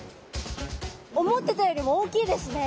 思ってたよりも大きいですね。